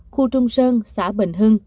khu trung sơn xã bình hưng